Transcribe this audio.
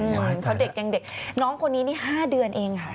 เหมือนเขาเด็กยังเด็กน้องคนนี้นี่๕เดือนเองค่ะ